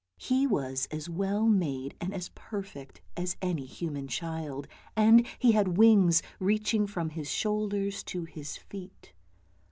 He was as well made and as perfect as any human child, and he had wings reaching from his shoulders to his feet.